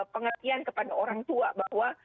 pengertian kepada orang tua bahwa